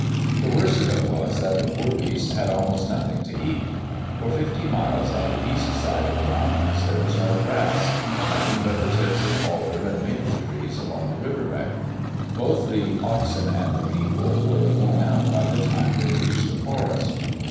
The worst of it was that the poor beasts had almost nothing to eat. For fifty miles on the east side of the mountains there was no grass — nothing but the tips of alder and maple trees along the river bank. Both the oxen and the people were worn out by the time they reached the forest.